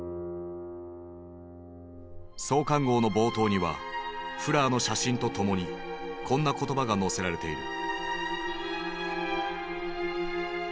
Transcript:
創刊号の冒頭にはフラーの写真とともにこんな言葉が載せられている。